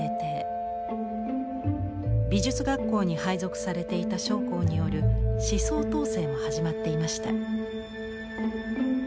美術学校に配属されていた将校による思想統制も始まっていました。